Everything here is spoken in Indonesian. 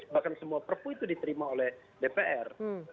bahkan semua perpu itu diterima oleh dpr